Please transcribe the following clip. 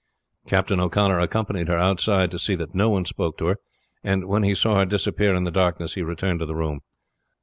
Captain O'Connor accompanied her outside to see that no one spoke to her, and when he saw her disappear in the darkness he returned to the room.